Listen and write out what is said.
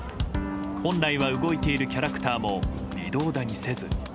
本来は動いているキャラクターも微動だにせず。